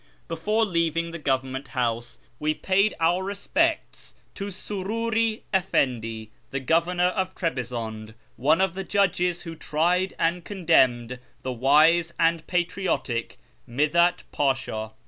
Before leaving the Government house we paid our respects to Sururi Efendi, the governor of Trebi zoude, one of the judges who tried and condenmed the wise and patriotic Midhat Pasha.